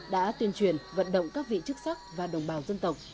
đã tuyên truyền vận động các vị chức sắc và đồng bào dân tộc